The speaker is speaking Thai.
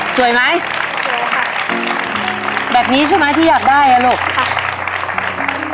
สวยไหมสวยค่ะแบบนี้ใช่ไหมที่อยากได้อ่ะลูกค่ะ